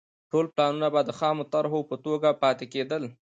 ټول پلانونه به د خامو طرحو په توګه پاتې کېدل